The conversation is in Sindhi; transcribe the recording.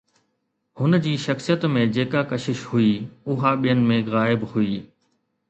هن جي شخصيت ۾ جيڪا ڪشش هئي، اها ٻين ۾ غائب هئي